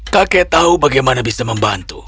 kakek tahu bagaimana bisa membantu